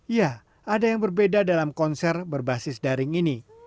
ya ada yang berbeda dalam konser berbasis daring ini